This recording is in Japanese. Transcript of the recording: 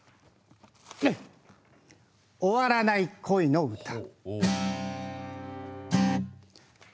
「終わらない恋のうた」。